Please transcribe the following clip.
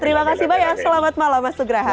terima kasih banyak selamat malam mas nugraha